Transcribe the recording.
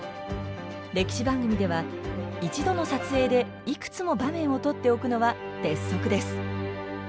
歴史番組では一度の撮影でいくつも場面を撮っておくのは鉄則です。